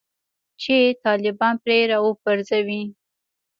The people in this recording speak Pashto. چې طالبان پرې راوپرځوي